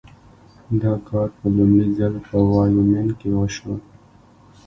دا کار په لومړي ځل په وایومینګ کې وشو.